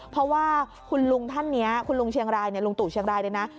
เพราะว่าคุณลุงท่านนี้คุณลุงเชียงรายลุงตู่เชียงรายเลยนะ